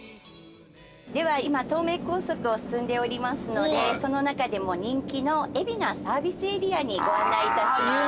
では今東名高速を進んでおりますのでその中でも人気の海老名サービスエリアにご案内致します。